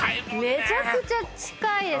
めちゃくちゃ近いです